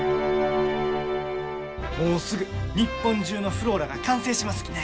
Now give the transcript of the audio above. もうすぐ日本中のｆｌｏｒａが完成しますきね。